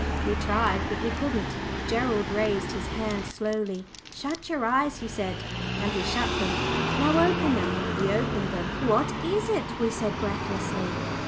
We tried, but we couldn't. Gerald raised his hand slowly. "Shut your eyes," he said; and we shut them. "Now open them;" we opened them. "What is it?" we said, breathlessly.